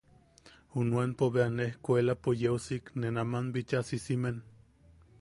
Junuenpo bea, ne ejkuelapo yeu sik, ne nam bichaa sisimen.